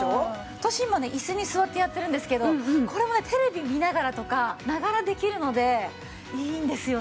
私今ね椅子に座ってやってるんですけどこれもねテレビ見ながらとかながらできるのでいいんですよね。